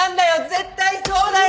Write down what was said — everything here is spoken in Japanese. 絶対そうだよ！